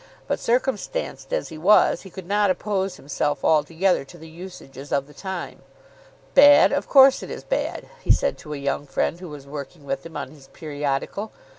But circumstanced as he was he could not oppose himself altogether to the usages of the time. "Bad; of course it is bad," he said to a young friend who was working with him on his periodical.